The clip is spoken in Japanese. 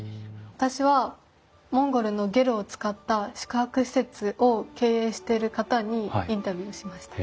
私はモンゴルのゲルを使った宿泊施設を経営してる方にインタビューをしました。